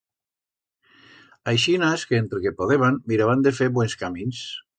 Aixinas que, entre que podeban, miraban de fer buens camins.